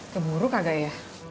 keburu kakak ya